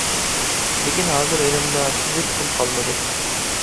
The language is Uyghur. لېكىن ھازىر يېنىمدا تۈزۈك پۇل قالمىدى.